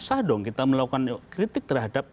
sah dong kita melakukan kritik terhadap